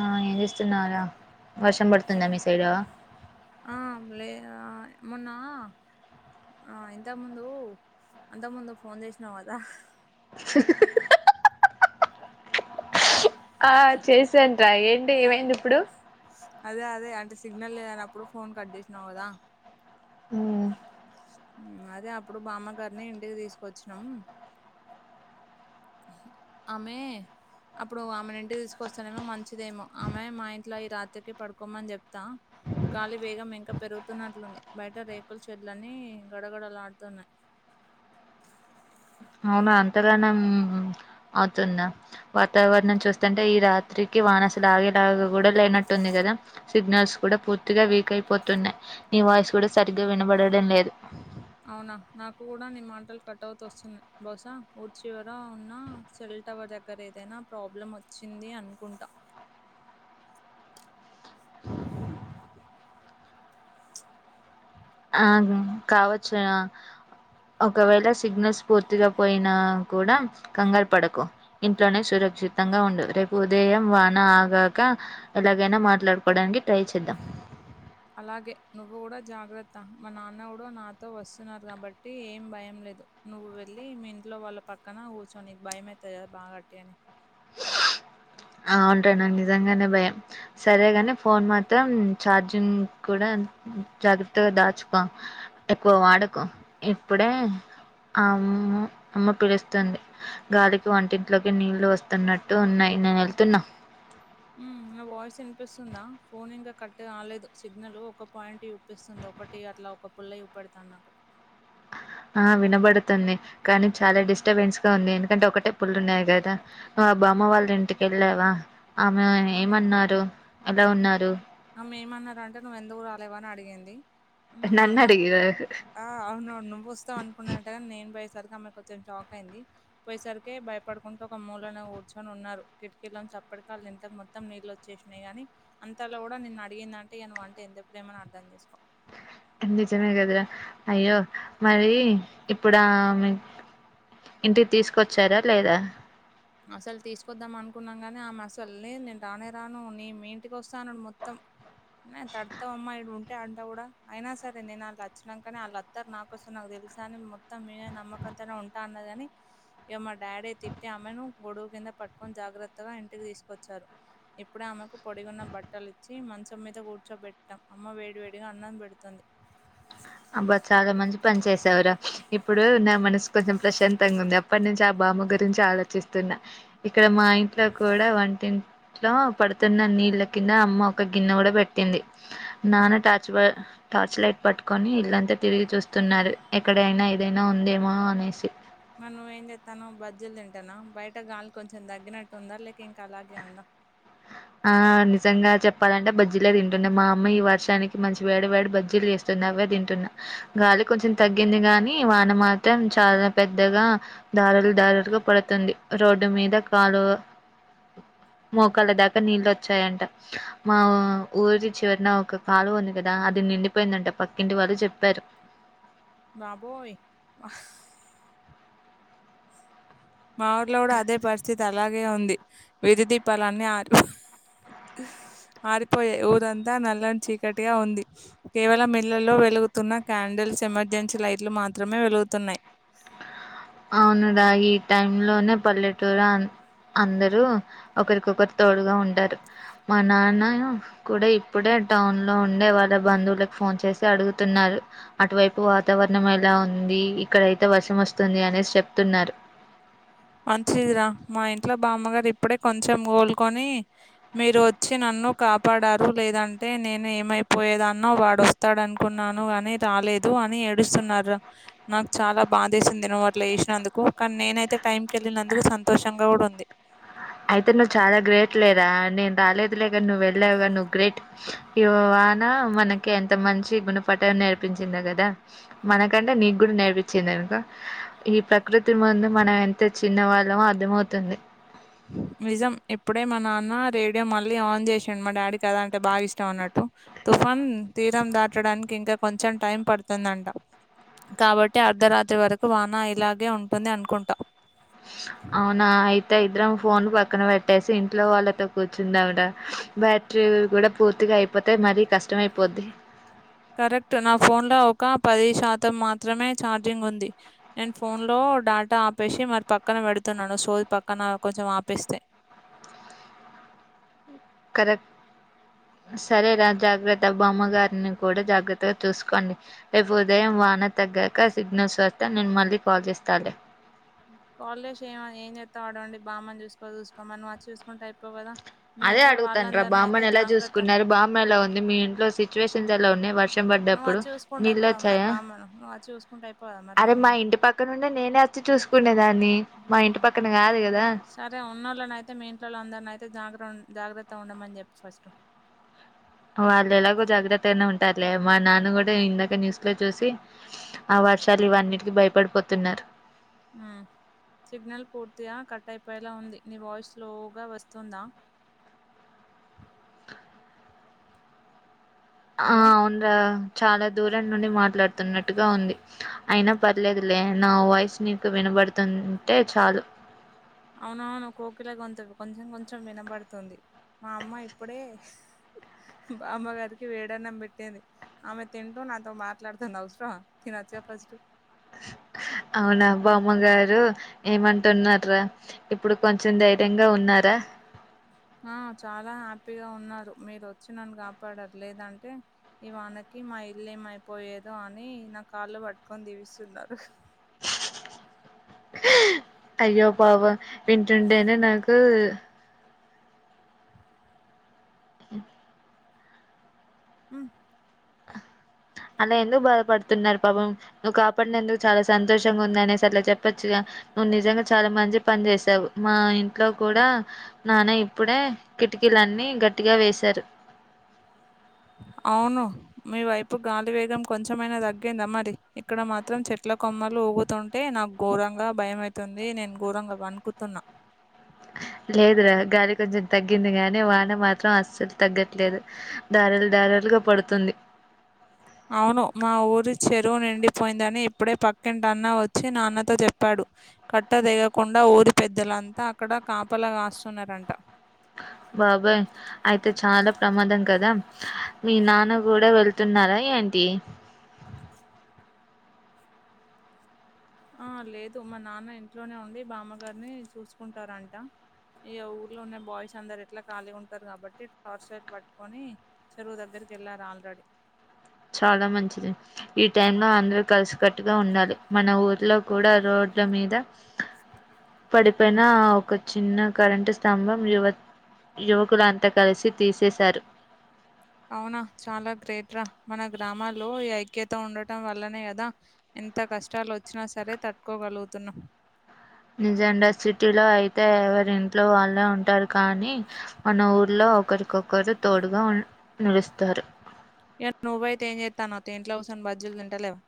ఆ ఏం చేస్తున్నావురా వర్షం పడుతుందా మీ సైడ్ ఆ లే ఆ మొన్నా ఆ ఇంతక ముందు అంత ముందు ఫోన్ చేసినావు కదా ఆ చేసాంట్రా ఏంటి ఏమైంది ఇప్పుడు అదే అదే అంటే సిగ్నల్ లేదన్నప్పుడు ఫోన్ కట్ చేసినావు కదా ఊ అదే అప్పుడు బామ్మగారిని ఇంటికి తీసుకొచ్చినం అమే అప్పుడు ఆమెను ఇంటి తీసుకొస్తానేమో మంచిదేమో ఆమె మా ఇంట్లో ఈ రాత్రికి పడుకోమని చెప్తా గాలి వేగం ఇంకా పెరుగుతున్నట్లుంది బయట రేకుల చెడ్లన్నీ గడగడలా ఆడుతున్నాయి అవునా అంతగానం అవుతుందా వాతావరణం చూస్తంటె ఈ రాత్రికి వానసలు ఆగేలాగ కూడా లేనట్టుంది కదా సిగ్నల్స్ కూడా పూర్తిగా వీక్ అయిపోతున్నాయి నీ నివాయిసు కూడా సరిగ్గా వినబడడం లేదు అవునా నాకు కూడా నీ మాటలు కట్ అవుతు వస్తున్నాయి బహశా ఊర్ చివర ఉన్న సెల్ టవర్ దగ్గర ఏదైనా ప్రాబ్లం వచ్చింది అనుకుంటా ఆ కావచ్చు ఒకవేళ సిగ్నల్స్ పూర్తిగా పోయినా కూడా కంగారు పడకు ఇంట్లోనే సూర చితంగా ఉండు రేపు ఉదయం వాన ఆగాక ఎలాగైనా మాట్లాడుకోవడానికి ట్రై చేద్దాం అలాగే నువ్వు కూడా జాగ్రత్త మా నాన్న కూడా నాతో వస్తున్నారు కాబట్టి ఏం భయం లే లేదు నువ్వు వెళ్ళి మీ ఇంట్లో వాళ్ళ పక్కన కూర్చో నీకు భయమయితది గా బా వట్టి గనే ఆవుంటనండి నిజంగానే భయం సరేగాని ఫోన్ మాత్రం ఛార్జింగ్ కూడా జాగ్రత్తగా దాచుకో ఎక్కువ వాడకు ఇప్పుడే ఆ అమ్మ్ అమ్మ పిలుస్తుంది గాలికి వంటింట్లోకి నీళ్లు వస్తున్నట్టు ఉన్నాయి నేను తున్నా ఉ నా వాయిస్ వినిపిస్తుందా ఫోన్ ఇంకా కట్ కాలేదు సిగ్నల్ ఒక పాయింట్ చుప్పిస్తుంది ఒకటి అట్లా ఒక పుల్ల చూపేడతంది నాకు ఆ వినబడుతుంది కానీ చాలా డిస్టర్బెన్స్ గా ఉంది ఎందుకంటే ఒకటే పుల్లు ఉన్నాయి కదా బామ్మ వాళ్ళ ఇంటికి వెళ్ళావా ఆమె ఏమన్నారు ఎలా ఉన్నారు ఆమె ఏమన్నారంటే నువ్ ఎందుకు రాలేవ అని అడిగింది మా నన్ను నాన్న అడిగిరా అవునవును నువ్వుస్తావు అనుకున్నదట గాని నేను సరి ఆమెకి వచ్చిన షాక్ అయింది పోయేసరికి భయపడుకుంటూ ఒక మూలను కూర్చొని ఉన్నారు కిటికీలోంచి అప్పటికే అల ఇంట్లో మొత్తం నీళ్లు వచ్చేసినాయి గానీ అంతా ఇట్ల కూడా నిన్ను అడిగిందంటే నువ్వంటే ఎంత ప్రేమని అర్థం చేసుకో నిజమే కదరా అయ్యో మరి ఇప్పుడామే ఇంటికి తీసుకొచ్చారా లేదా అసలు తీసుకొద్దాం అనుకున్నాం కాగాని ఆమె అసల్ని నేను రానే రాను నేను మీ ఇంటికి వస్తా అన్నాడు మొత్తం తడుతవు అమ్మయి ఇడ అంట కూడా అయినా సరే నేను వాళ్ళ అచ్చినంకనే కాని వాళ్ళస్తారు నాకోసం నాకు తెలుసా అని మొత్తం మీ నమ్మకం అంతనే ఉంటా అన్నగాని ఇక మా డాడీ తిట్టి ఆమెను గొడుగు కింద పట్టుకొని జాగ్రత్తగా ఇంటికి తీసుకొచ్చారు ఇప్పుడే ఆమెకు పొడిగున్న బట్టలు ఇచ్చి మంచం మీద కూర్చోబెట్టం అమ్మ వేడివేడిగా అన్నం పెడుతుంది అబ్బా చాలా మంచి పని చేసావు రా ఇప్పుడు నా మనసు కొంచెం ప్రశాంతంగా ఉంది అప్పటి నుంచి అబ్బా బామ్మ గురించి ఆలోచిస్తున్నా ఇక్కడ మా ఇంట్లో కూడా వంటి ఇంట్లో పడుతున్న నీళ్ళ కింద అమ్మ ఒక గిన్నె కూడా పెట్టింది నాన్న టాచ్ టార్చ్ లైట్ పట్టుకొని ఇళ్లంతా తిరిగి చూస్తున్నారు ఎక్కడైనా ఏదైనా ఉందేమో అనేసి మరి నువ్వేం చెతానవు బజ్జులు తింటానావ బయట గాలి కొంచెం తగ్గినట్టు ఉందా లేక ఇంకా అలాగే ఉందా ఆ నిజంగా చెప్పాలంటే బజ్జీలే తింటున్న మా అమ్మ ఈ వర్షానికి మంచి వేడి వేడి బజ్జీలు అవ్వే తింటున్నా గాలి కొంచెం తగ్గింది గాని వాన మాత్రం చాలా పెద్దగా దారులు దారులుగా పడుతుంది రోడ్డు మీద కాలు మోకల దాకా నీళ్ళు వచ్చాయంట మా ఊరి చివరిన ఒక కాలువ ఉంది కదా అది నిండిపోయిందంట పక్కింటి వాళ్ళు చెప్పారు బాబోయ్ మా ఊర్లో కూడా అదే పరిస్థితి అలాగే ఉంది విధి దీపాలన్నీ ఆరు హు ఆరిపోయాయి ఊరంతా నల్లని చీకటిగా ఉంది కేవలం ఇళ్లలో వెలుగుతున్న క్యాడిల్ ల్స్ ఎమర్జెన్సీ లైట్లు మాత్రమే వెలుగుతున్నాయి అవునుడా ఈ టైమ్ లోనే పల్లెటూరు ఆ అందరూ ఒకరికొకరు తోడుగా ఉంటారు మా నాన్న కూడా ఇప్పుడే టౌన్ లో ఉండే వాళ్ళ బంధువులకి ఫోన్ చేసి అడుగుతున్నారు అటువైపు వాతావరణం ఎలా ఉంది ఇక్కడైతే వర్షం వస్తుంది అనేసి చెప్తున్నారు మంచిది రా మా ఇంట్లో బామ్మగారు ఇప్పుడే కొంచెం కోలుకొని మీరు వచ్చి నన్ను కాపాడారు లేదంటే నేను ఏమైపోయేదన్నో వాడు వస్తాడునుకున్నాను కాని రాలేదు అని ఏడుస్తున్నారు నాకు చాలా బాధేసింది నువ్వు అట్ల చేసినందుకు కానీ నేనైతే టైంకెళ్లినందుకు సంతోషంగా కూడా ఉంది అయితే నువ్వు చాలా గ్రేట్ లేరా నేను రాలేదు లేక నువ్వు వెళ్ళావు కాద నువ్వు గ్రేట్ వానా మనకి ఎంత మంచి గుణపాఠం నేర్పించింది కదా మనకంటే నీకు కూడా నేర్పించింది కనుక ఈ ప్రకృతి ముందు మనం ఎంత చిన్నవాళ్ళమో అర్థంమవుతుంది ఉ నిజం ఇప్పుడే మా నాన్న రేడియో మళ్ళీ ఆన్ చేసాడు మా డాడీకి అది అంటే బాగా ఇష్టం అన్నట్టు ఫన్ తీరం దాటడానికి ఇంకా కొంచెం టైం పడుతుందంట కాబట్టి అర్ధరాత్రి వరకు వాన ఇలాగే ఉంటుంది అనుకుంటా అవ్ నా అయి ఇద్దరం ఫోన్ పక్కన పెట్టేసి ఇంట్లో వాళ్ళతో కూర్చుందాం రా బ్యాటరీ కూడా పూర్తి అయిపోతే మరీ కష్టమైపోద్ది కరెక్ట్ నా ఫోన్ లో ఒక పది శాతం మాత్రమే ఛార్జింగ్ ఉంది నేన్ఫోన్ లో ఓ డాటా ఆపేసి మరి పక్కన పెడుతున్నాను సోల్ పక్కన కొంచెం ఆపేస్తే సరే రా జాగ్రత్త బామ్మగారిని కూడా జాగ్రత్తగా చూసుకోండి రేపు ఉదయం వా వాన తగ్గాక సిగ్నల్స్ వస్తే నేను మళ్ళీ కాల్ చేస్తాలే కాలేష్ ఏమ ఏం చేస్తా ఆడుండి బామ్మని చూసుకో చూసుకో మను వచ్చి చూసుకుంటే అయిపోవు కదా మీ అదే ఇంట్లో అడుగుతాన్రా వాళ్ళందరిని అయితే బామ్మని ఎలా జాగ్రత్త చూసుకున్నారు? బామ్మ ఎలా ఉంది, మీ ఇంట్లో సిచ్యువేషన్స్ ఎలా ఉన్నాయ్ వర్షం నువ్వు పడ్డప్పుడు వచ్చి చూసుకుంటే అయిపోవు కదా మరి నీళ్ళొచ్చాయా బామ్మను నువ్వు అచ్చి చూసుకుంటే అయిపోవు మరి అరే మా బామ్మను ఇంటి పక్కనుండే నేనే వచ్చి చూసుకునేదా ఉమ్ సరే ఉన్నోళ్ళని అయితే మీ ఇంట్లోళ్ళు అందరిని అయిత్ జాగ్రం జాగ్రత్తగా ఉండమని చెప్ప్ ఫస్టు వాళ్ళు ఎలాగో జాగ్రత్తగనే ఉంటారులే మా నాన్న కూడా ఇందాక న్యూస్ లో చూసి ఆ వర్షాలు ఇవన్నిటికీ భయపడిపోతున్నారు ఉమ్ సిగ్నల్ పూర్తిగా కట్ అయిపోయేలా ఉంది, నీ వాయిస్ లోగా వస్తుందా? ఆ హలో అవున్రా చాలా దూరం నుండి మాట్లాడుతున్నట్టుగా ఉంది, అయినా పర్లేదులే నా వాయిస్ నీకు విన పడుతుంటే చాలు అవునవును కోకిల గొంతు కొంచెం కొంచెం వినబడుతుంది మా అమ్మ ఇప్పుడే బామ్మగారికి వేడన్నం పెట్టింది అమె తింటూ నాతో మాట్లాడతుం అవసరామా తినోచ్ గా ఫస్టు అవునా బామ్మగారు ఏమంటున్నర్రా? ఇప్పుడు కొంచెం ధైర్యంగా ఉన్నారా? ఆ చాలా హ్యాపీగా ఉన్నారు. మీరు వచ్చి నన్ కాపాడారు లేదంటే ఈ వానకి మా ఇల్లు ఏమైపోయేదో అని నా కాళ్ళు పట్టుకొని దీవిస్తున్నారు అయ్యో పాబం వింటుంటేనే నాకు ఉ ఉమ్ అలా ఎందుకు బాధపడుతున్నారు పాపం నువ్వు కాపాడిన అందుకు చాలా సంతోషంగా ఉందనేసి అట్లా చెప్పొచ్చుగా నువ్వు నిజంగా చాలా మంచి పని చేసావు మా ఇంట్లో కూడా నాన్న ఇప్పుడే కిటికీలన్నీ గట్టిగా వేశారు అవును మీ వైపు గాలి వేగం కొంచెమైనా తగ్గిందా మరి? ఇక్కడ మాత్రం చెట్ల కొమ్మలు ఊగుతుంటే నాకు ఘోరంగా భయం అయితుంది. నేను ఘోరంగా వనుకుతున్నా లేదురా గాలి కొంచెం తగ్గింది గాని వాన మాత్రం అస్సలు తగ్గట్లేదు దారల్ దారల్ ల్ గా పడుతుంది అవును మా ఊరి చెరువు నిండిపోయిందని, ఇప్పుడే పక్కింట అన్న వచ్చి నాన్నతో చెప్పాడు. కట్ట దేగకుండా ఊరి పెద్దలంతా అక్కడ కాపలాగాస్తున్నారంట. బాబోయ్ అయితే చాలా ప్రమాదం కదా, మీ నాన్న గుడా వెళ్తున్నారా ఎండ్ ది ఆ లేదు మా నాన్న ఇంట్లోనే ఉండి, బామ్మగారిని చూసుకుంటారంట. ఇగ ఊర్లో ఉన్న బాయ్స్ అందరు ఎట్లా ఖాళీగా ఉంటారు కాబట్టి, టార్చ్ లైట్ పట్టుకొని చెరువు దగ్గర్ కేళ్లార్ ఆల్రెడి. చాలా మంచిది. ఈ టైమ్ లో అందరూ కలిసికట్టుగా ఉండాలి, మన ఊర్లో కూడా రోడ్ డ్డు మీద, పడిపోయిన ఒక చిన్న కరెంటు స్తంభం యువక్ యువకులంతా కలిసి తీసేసారు. అవునా చాలా గ్రేట్ రా, మన గ్రామాల్లో ఈ ఐక్యత ఉండటం వల్లనే కదా ఎంత కష్టాలు ఓచ్చినా సరే తట్టుకోగలుగుతున్నా. నిజాంగా సిటీ లో అయితే, ఎవరి ఇంట్లో వాళ్ళే ఉంటారు కానీ, మన ఊర్లో ఒకరికొకరు తోడుగా ఉన్ నిలుస్తారు. ఇగ నువ్వయితే ఏం చేత్తన్నవ్ తీ, ఇంట్లో కుసోని బజ్జీలు తింటలేవా.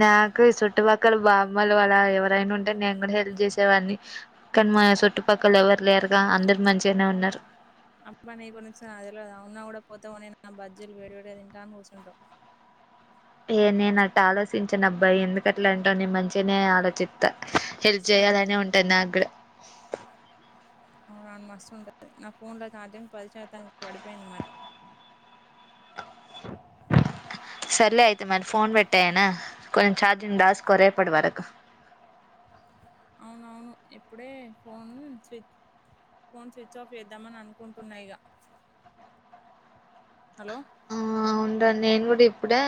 నాకు చుట్టుపక్కల బామ్మలు అలా ఎవరైనా ఉంటే నేను గుడా హెల్ప్ చేసేవాడ్ని. కానీ మా చుట్టుపక్కల ఎవరు లేరుగా, అందరు మంచిగానే ఉన్నారు. అబ్బా నీ గురించి నాక్ తేల్వదా, ఉన్నా గుడా పోతే పోనీ అని, నా బజ్జీలు వేడి వేడి తింటా అని కూసుంటావ్. ఏ నేనాట్ట ఆలోచించినాబ్బా ఎందుకట్లాంటవ్, నేన్ మంచిగానే ఆలోచిత్త. హెల్ప్ సర్లే చేయాలనే ఉంటది నాగ్గూడ. అవునావును మస్తు ఉంటంది. నా ఫోన్ లో ఛార్జింగ్ పది శాతానికి పడిపోయింది మరి. సర్లే అయితే మరి ఫోన్ పెట్టేయనా, కొంచెం ఛార్జింగ్ దాస్కో రేపటి వరకు. అవునవును ఇప్పుడే ఫోన్ స్వి ఫోన్ స్విచ్ ఆఫ్ చేద్దామని అనుకుంటున్నా ఇగ. హలో ఆ ఉంటాను, నేను గుడా ఇప్పుడే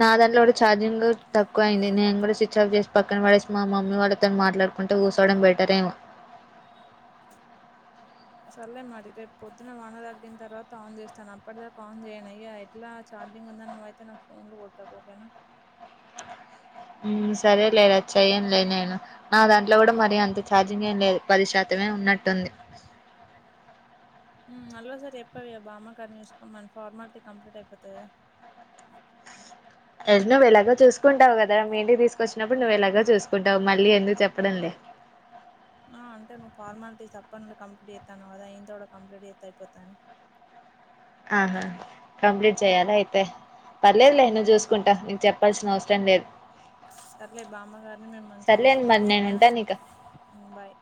నా దాంట్లో గుడా ఛార్జింగ్ తక్కువ అయింది, నేను కూడా స్విచ్ ఆఫ్ జేసి, పక్కన పడేసి మా మమ్మీ వాళ్ళతో మాట్లాడుకుంటు కుసోవడం బెటరేమో. ఆ సర్లే మారి రేపు పొద్దున వాన తగ్గిన తర్వాత ఆన్ జేస్తాను, అప్పటిదాకా ఆన్ చేయనయ ఇగ, ఎట్లా చ చార్జింగ్ ఉందనీ నువ్ అయితే నాకు ఫోన్లు గొట్టకు ఓకేనా. ఉమ్ సరేలే రా, చెయనులే నేను నా దాంట్లో గుడా మరి అంత ఛార్జింగ్ ఏం లేదు, పది శాతం మే ఉన్నట్టుంది. [inaudible] ఉమ్ మల్లొసారీ చెప్పవ్ బామ్మ గార్ నీ చూసుకోమని, ఫార్మాలిటీ కంప్లీట్ అయిపోతది కదా. ఆ [unintelligible] నువ్ ఇలాగో చూసుకుంటావు కదా, మీ ఇంటికి తీసుకొచ్చినప్పుడు నువ్ ఎలాగో చూసుకుంటావు, మళ్ళీ ఎందుకు చెప్పడం లే. అ ఆ అంటే నువ్ ఫార్మాలటీస్ అప్పటి నుండి కంప్లీట్ చేత్తనవ్ గదా, ఈ ఇంత కూడా కంప్లీట్ చేత్తె అయిపోతాదని. ఆ ఆహా కంప్లీట్ చెయాలా అయితే, పర్లేదులే చేయండి ఏం నువ్ కాదు చూసుకుంటావ్, నీకు చెప్పాల్సిన అవస రం లేద్. సర్లే, బామ్మగారిని మేం మంచిగా సర్లేండి మరి చూసుకుంటాము నేను ఓకేనా ఉంటాను ఇక ఉమ్ బాయ్.